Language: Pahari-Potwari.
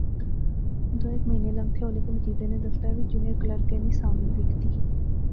دو ہیک مہینے لنگتھے ہولے کہ مجیدے نے دفترے وچ جونیئر کلرکے نی سامی لکھتی